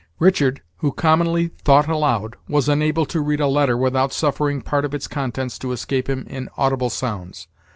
Richard, who commonly thought aloud, was unable to read a letter without suffering part of its contents to escape him in audible sounds.